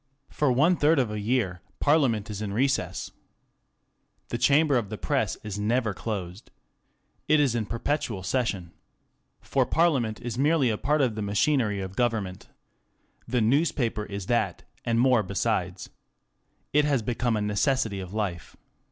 For one third of a year Parliament is in recess. The chamber of the Press is never Digitized by Google 656 THE CONTEMPORARY REVIEW. closed. It is ia perpetual session. For Parliament is merely a part of the machinery of government. The newspaper is that, and more besides. Jt has become a necessity of life.